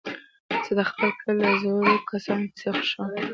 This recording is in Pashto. زه د خپل کلي د زړو کسانو کيسې خوښوم.